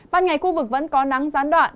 ban ngày khu vực vẫn có nắng gián đoạn